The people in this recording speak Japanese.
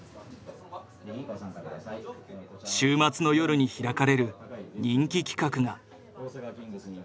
週末の夜に開かれる人気企画が。